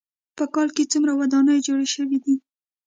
په کال کې څومره ودانۍ جوړې شوې دي.